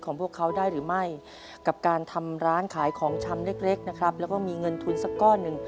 พวกเขาได้หรือไม่กับการทำร้านขายของชำเล็กเล็กนะครับแล้วก็มีเงินทุนสักก้อนหนึ่ง